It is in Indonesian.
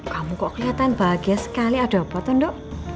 kamu kok kelihatan bahagia sekali ada apa tuh dok